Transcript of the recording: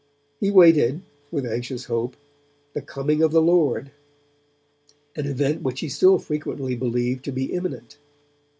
He awaited, with anxious hope, 'the coming of the Lord', an event which he still frequently believed to be imminent.